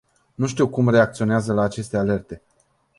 Nu știm cum reacționează la aceste alerte.